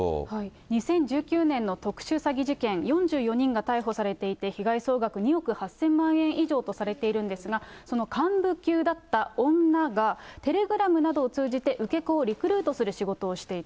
２０１９年の特殊詐欺事件４４人が逮捕されていて、被害総額２億８０００万円以上とされているんですが、その幹部級だった女が、テレグラムなどを通じて受け子をリクルートする仕事をしていた。